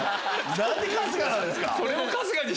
何で春日なんですか！